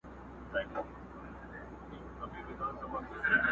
پوري زهر د خپل ښکار د غوښو خوند سو!!